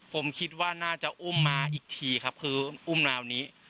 ผมคิดว่าน่าจะอุ้มมาอีกทีครับคืออุ้มแนวนี้